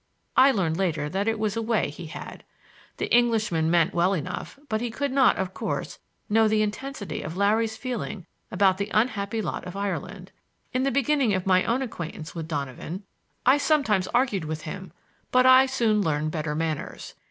I learned later that it was a way he had. The Englishman meant well enough, but he could not, of course, know the intensity of Larry's feeling about the unhappy lot of Ireland. In the beginning of my own acquaintance with Donovan I sometimes argued with him, but I soon learned better manners.